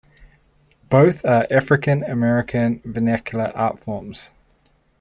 Both are African American vernacular art forms.